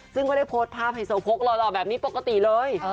ซึ่งก็ได้โพสต์ภาพไฮโซโพกหล่อแบบนี้ปกติเลย